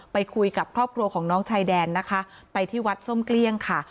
ไปคุยกับครอบครัวของน้องชายแดนนะคะไปที่วัดส้มเกลี้ยงค่ะ